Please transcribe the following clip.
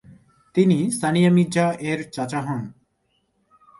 তিনি সানিয়া মির্জা এর চাচা হন।